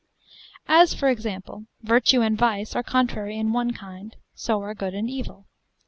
As, for example, virtue and vice are contrary in one kind, so are good and evil.